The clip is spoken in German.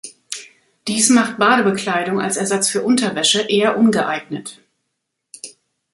Dies macht Badebekleidung als Ersatz für Unterwäsche eher ungeeignet.